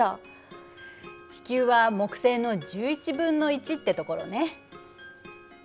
地球は木星の１１分の１ってところね。